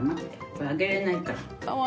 これあげれないから。